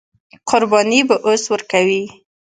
قرباني به اوس ورکوي.